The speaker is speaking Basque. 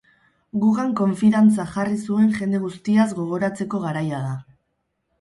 Gugan konfidantza jarri zuen jende guztiaz gogoratzeko garaia da.